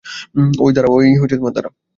ওই, দাঁড়া!